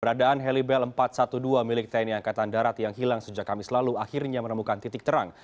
peradaan helibel empat ratus dua belas milik tni angkatan darat yang hilang sejak kamis lalu akhirnya menemukan titik terang